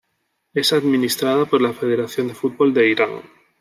Es administrada por la Federación de Fútbol de Irán.